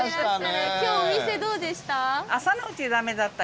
今日お店どうでした？